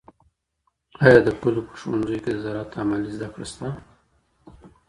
آیا د کلیو په ښوونځیو کي د زراعت عملي زده کړه سته؟